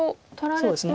そうですね